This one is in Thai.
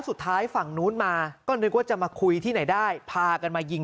สุดท้ายฝั่งนู้นมาก็นึกว่าจะมาคุยที่ไหนได้พากันมายิง